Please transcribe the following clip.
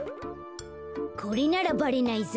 これならばれないぞ。